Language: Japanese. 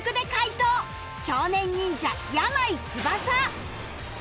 少年忍者山井飛翔